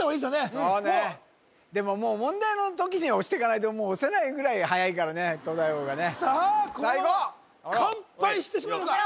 そうねでももう問題の時には押してかないともう押せないぐらいはやいからね東大王がねさあこのまま完敗してしまうのか？